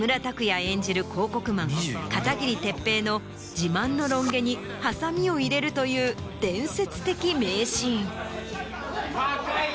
演じる広告マン片桐哲平の自慢のロン毛にハサミを入れるという伝説的名シーン。